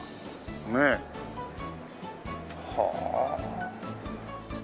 ねえはあ。